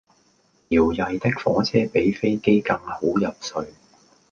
搖曳的火車比飛機更好入睡